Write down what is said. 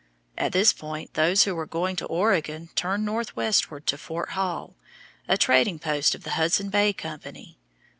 At this point those who were going to Oregon turned northwestward to Fort Hall, a trading post of the Hudson Bay Company.